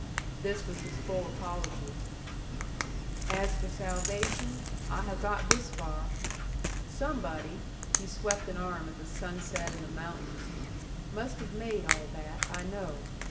This was his full apology. "As for salvation, I have got this far: somebody," he swept an arm at the sunset and the mountains, "must have made all that, I know.